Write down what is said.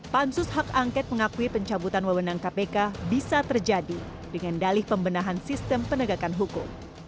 pansus hak angket mengakui pencabutan wawenang kpk bisa terjadi dengan dalih pembenahan sistem penegakan hukum